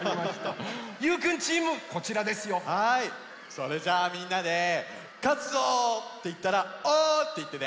それじゃあみんなで「かつぞ！」っていったら「オー！」っていってね。